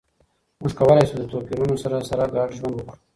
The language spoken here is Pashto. موږ کولای شو له توپیرونو سره سره ګډ ژوند وکړو.